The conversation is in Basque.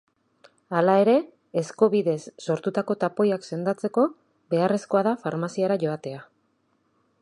Hala ere, ezko bidez sortutako tapoiak sendatzeko, beharrezkoa da farmaziara joatea.